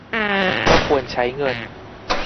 ก็ควรใช้เงิน